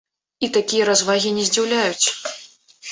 І такія развагі не здзіўляюць.